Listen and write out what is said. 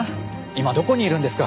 今どこにいるんですか？